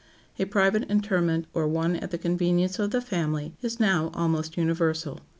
A private interment, or one at the convenience of the family, is now almost universal.